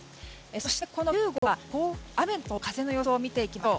そして９号、雨と風の予想を見ていきましょう。